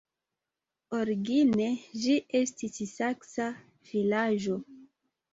Origine ĝi estis saksa vilaĝo.